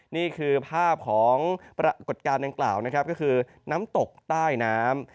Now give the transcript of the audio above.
นี่คือภาพของปรากฏการณ์ดังกล่าวนะครับก็คือน้ำตกใต้น้ำ